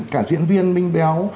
cả diễn viên minh béo